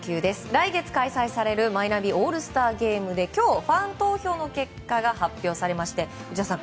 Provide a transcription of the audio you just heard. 来月開催されるマイナビオールスターゲームで今日、ファン投票の結果が発表されまして内田さん